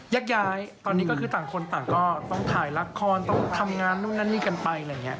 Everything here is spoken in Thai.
แยกย้ายตอนนี้ก็คือต่างคนต่างก็ต้องถ่ายละครต้องทำงานนู่นนั่นนี่กันไปอะไรอย่างนี้